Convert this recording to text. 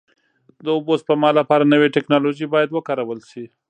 د اوبو سپما لپاره نوې ټکنالوژۍ باید وکارول شي.